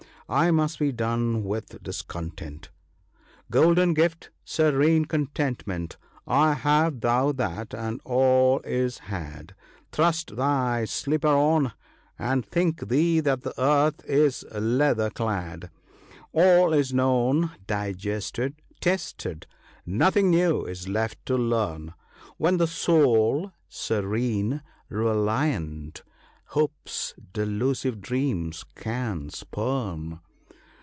I must be done with dis content :—" Golden gift, serene Contentment ! have thou that, and all is had ; Thrust thy slipper on, and think thee that the earth is leather clad." " All is known, digested, tested ; nothing new is left to learn When the soul, serene, reliant, Hope's delusive dreams can spurn."